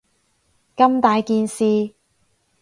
咁大件事